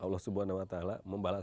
allah subhanahu wa ta'ala membalas